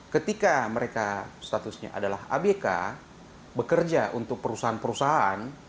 ketika mereka statusnya adalah abk bekerja untuk perusahaan perusahaan